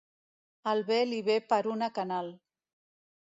El bé li ve per una canal.